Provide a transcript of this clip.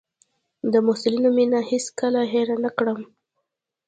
د محصلینو مينه هېڅ کله هېره نه کړم.